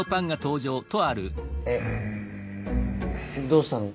どうしたの？